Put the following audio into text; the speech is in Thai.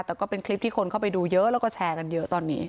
แต่ก็เป็นคลิปที่คนเข้าไปดูเยอะแล้วก็แชร์กันเยอะตอนนี้